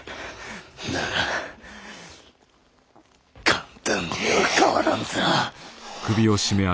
だが簡単にはかわらんぞ。